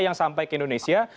yang sampai ke indonesia